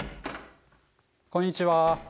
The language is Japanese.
こんにちは。